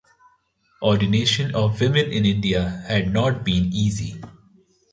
Ordination of women in India had not been easy.